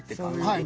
はい。